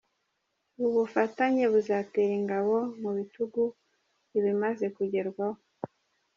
Ubu bufatanye buzatera ingabo mu bitugu ibimaze kugerwaho.